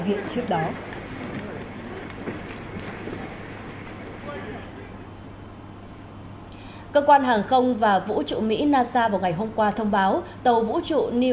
viện trước đó à à ở cơ quan hàng không và vũ trụ mỹ nasa vào ngày hôm qua thông báo tàu vũ trụ new